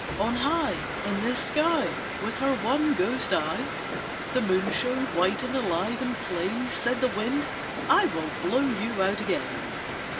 On high In the sky With her one ghost eye, The Moon shone white and alive and plain. Said the Wind "I will blow you out again."